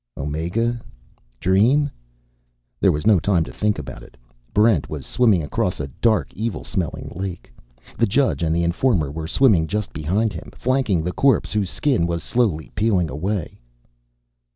_" Omega? Dream? There was no time to think about it. Barrent was swimming across a dark, evil smelling lake. The judge and the informer were swimming just behind him, flanking the corpse, whose skin was slowly peeling away.